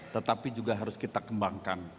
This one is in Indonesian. tetapi juga harus kita kembangkan